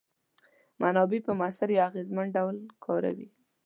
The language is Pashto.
منابع په موثر یا اغیزمن ډول کاروي.